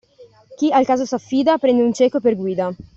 Chi al caso s'affida prende un cieco per guida.